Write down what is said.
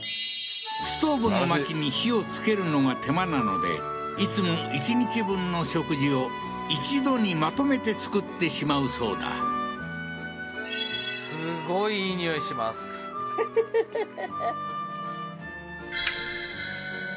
ストーブの薪に火をつけるのが手間なのでいつも１日分の食事を１度にまとめて作ってしまうそうだすごいいい匂いしますははははっ